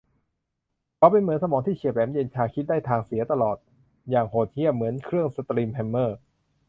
เขาเป็นเหมือนสมองที่เฉียบแหลม เย็นชา คิดทางได้ทางเสียตลอดอย่างโหดเหี้ยมเหมือนเครื่องสตรีมแฮมเมอร์